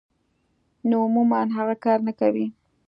نو عموماً هغه کار نۀ کوي -